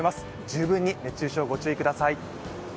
十分に熱中症、ご注意ください。